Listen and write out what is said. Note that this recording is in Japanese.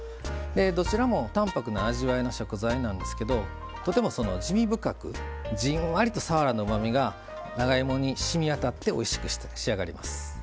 どちらも淡泊な味わいの食材なんですけどとても滋味深く、じんわりとさわらのうまみが長芋にしみわたっておいしく仕上がります。